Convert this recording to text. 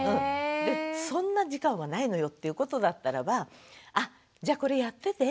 そんな時間はないのよっていうことだったらば「あっじゃこれやってて。